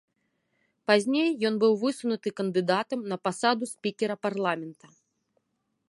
Пазней ён быў высунуты кандыдатам на пасаду спікера парламента.